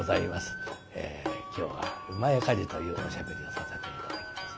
今日は「厩火事」というおしゃべりをさせて頂きます。